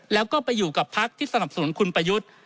แล้วก็ไปอยู่กับพักที่สนับสนุนคุณประยุทธ์